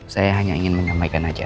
saya hanya ingin menyampaikan saja